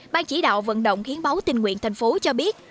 ban chỉ đạo vận động hiến máu tình nguyện tp hcm cho biết